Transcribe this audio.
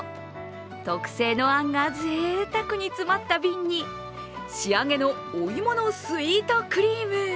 特製のあんがぜいたくに詰まった瓶に仕上げのお芋のスイートクリーム。